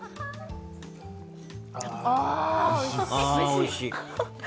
あ、おいしい！